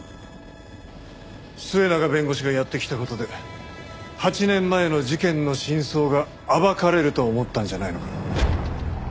末永弁護士がやって来た事で８年前の事件の真相が暴かれると思ったんじゃないのか？